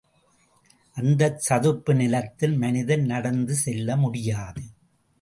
அந்தச் சதுப்பு நிலத்தில் மனிதன் நடந்து செல்ல முடியாது.